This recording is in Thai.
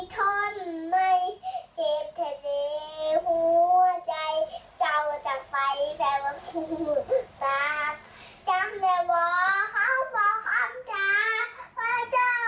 สัตว์จำแล้วว่าเขาบอกของจา